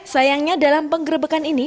sayangnya dalam penggerebekan ini